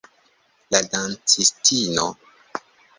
La dancistino.